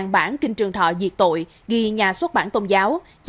bản kinh trường thọ diệt tội ghi nhà xuất bản tôn giáo